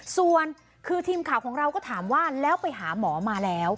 ส่วนคือทีมข่าวของเราก็ถามว่าแล้วไปหาหมอมาแล้ว